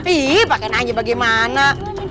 ih pake nanya bagaimana